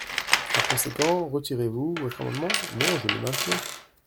Par conséquent, retirez-vous votre amendement ? Non, je le maintiens.